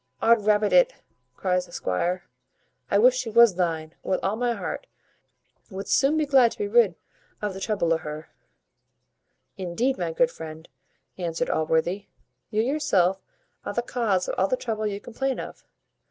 "Odrabbit it!" cries the squire, "I wish she was thine, with all my heart wouldst soon be glad to be rid of the trouble o' her." "Indeed, my good friend," answered Allworthy, "you yourself are the cause of all the trouble you complain of.